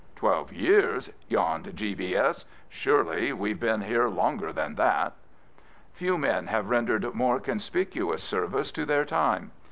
" Twelve years ?" yawned G. B. S. " Surely we've been here longer than that." Few men have rendered more conspicuous service to their time.